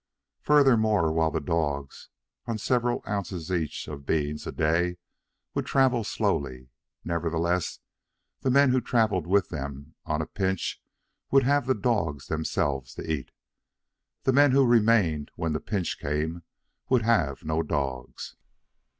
Furthermore, while the dogs, on several ounces each of beans a day, would travel slowly, nevertheless, the men who travelled with them, on a pinch, would have the dogs themselves to eat. But the men who remained, when the pinch came, would have no dogs.